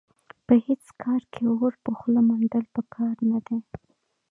په هېڅ کار کې اور په خوله منډل په کار نه دي.